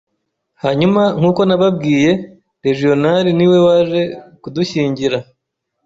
Hanyuma nk’uko nababwiye Regional niwe waje kudushyingira